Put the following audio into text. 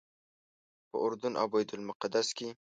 په اردن او بیت المقدس کې.